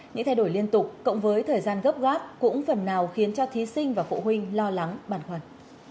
những thay đổi liên tục cộng với thời gian gấp gáp cũng phần nào khiến cho thí sinh và phụ huynh lo lắng băn khoăn